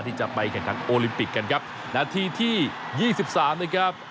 ที่จะไปกันกันโอลิมปิคกันครับนาที่ที่๒๓นะครับ